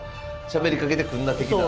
しゃべりかけてくんな的な。